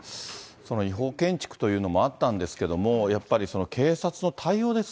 その違法建築というのもあったんですけども、やっぱり警察の対応